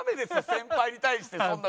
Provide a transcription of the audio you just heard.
先輩に対してそんなウソ。